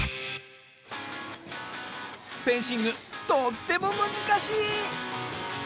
フェンシングとってもむずかしい！